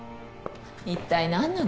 一体何なの？